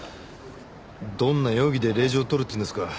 どんな容疑で令状取るっていうんですか？